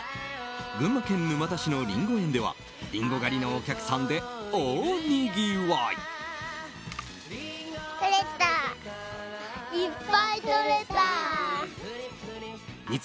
群馬県沼田市のリンゴ園ではリンゴ狩りのお客さんで大にぎわい。